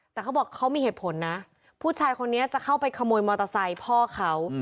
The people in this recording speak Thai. แต่เขาบอกเขามีเหตุผลนะผู้ชายคนนี้จะเข้าไปขโมยมอเตอร์ไซค์พ่อเขา